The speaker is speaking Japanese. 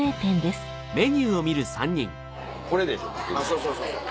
そうそうそうそう。